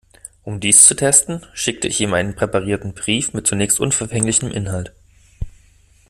Um dies zu testen, schickte ich ihm einen präparierten Brief mit zunächst unverfänglichem Inhalt.